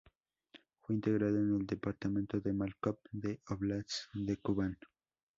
Fue integrada en el departamento de Maikop del óblast de Kubán.